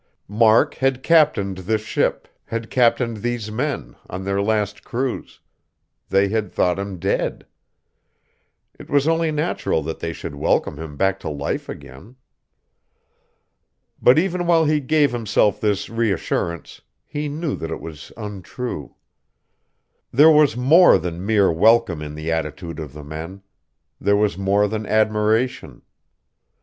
Mark had captained this ship, had captained these men, on their last cruise; they had thought him dead. It was only natural that they should welcome him back to life again.... But even while he gave himself this reassurance, he knew that it was untrue. There was more than mere welcome in the attitude of the men; there was more than admiration.